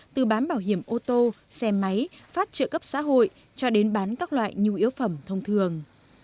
từ bán bảo hiểm ô tô xe máy phát trợ cấp xã hội cho đến bán các loại nhu yếu phẩm thông thường